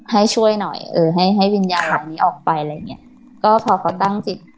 ให้ช่วยหน่อยเออให้ให้วิญญาณแบบนี้ออกไปอะไรอย่างเงี้ยก็พอเขาตั้งจิต